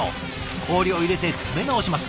氷を入れて詰め直します。